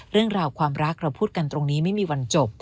เรื่องราวความรักเราพูดกันตรงนี้ไม่มีวันจบ